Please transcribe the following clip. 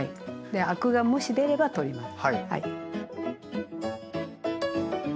アクがもし出れば取ります。